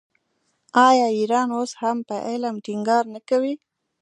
آیا ایران اوس هم په علم ټینګار نه کوي؟